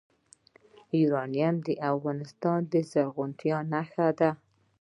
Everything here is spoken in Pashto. یورانیم د افغانستان د زرغونتیا نښه ده.